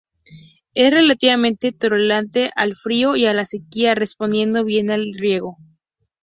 Es relativamente tolerante al frío y a la sequía, respondiendo bien al riego.